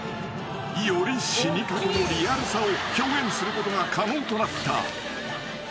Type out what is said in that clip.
［より死にかけのリアルさを表現することが可能となった］